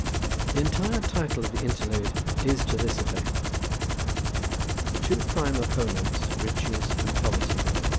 The entire title of the interlude is to this effect. The two prime opponents Riches and Poverty.